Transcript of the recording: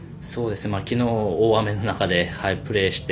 昨日、大雨の中でプレーして